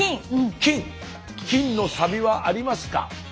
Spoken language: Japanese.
金のサビはありますか？